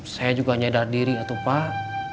saya juga nyedar diri atuh pak